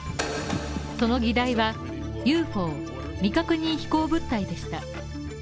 その議題は、ＵＦＯ＝未確認飛行物体でした。